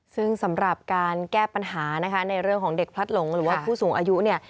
ซึ่งสำหรับการแก้ปัญหานะคะในเรื่องของเด็กพลัดหลงหรือว่าผู้สูงอายุเนี่ย